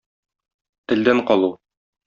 Телдән калу.